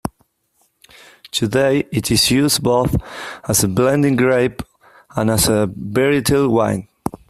Today it is used both as a blending grape and as a varietal wine.